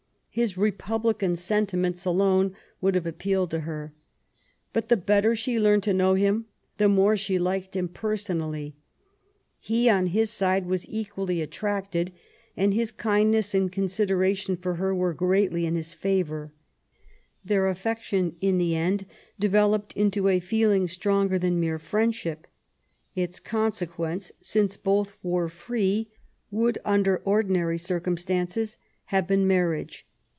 His republican sentiments alone would have appealed to her. But the better she learned to know him, the more she liked him personally. He, on his side, was equally attracted, and his kindness and con sideration for her were greatly in his favour. Their affection in the end developed into a feeling stronger than mere friendship. Its consequence, since both were free, would, under ordinary circumstances, have been marriage.